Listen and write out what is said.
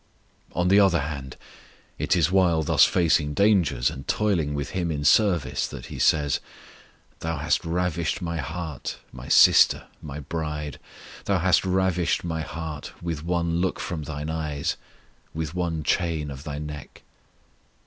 On the other hand, it is while thus facing dangers, and toiling with Him in service, that He says: Thou hast ravished My heart, My sister, My bride; Thou hast ravished My heart with one look from thine eyes, With one chain of thy neck.